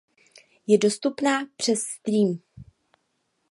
Je dostupná přes Steam.